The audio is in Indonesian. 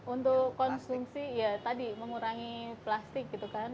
untuk konsumsi ya tadi mengurangi plastik gitu kan